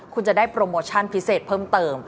คุณจะได้โปรโมชั่นพิเศษเพิ่มเติม